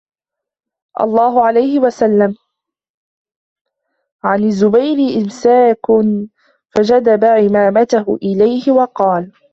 اللَّهُ عَلَيْهِ وَسَلَّمَ عَنْ الزُّبَيْرِ إمْسَاكٌ فَجَذَبَ عِمَامَتَهُ إلَيْهِ وَقَالَ